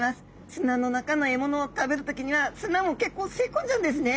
砂の中の獲物を食べる時には砂も結構吸い込んじゃうんですね。